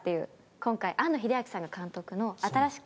今回庵野秀明さんが監督の新しく。